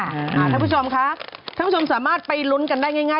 ท่านผู้ชมครับท่านผู้ชมสามารถไปลุ้นกันได้ง่าย